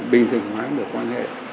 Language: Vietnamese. bình thường hoá được quan hệ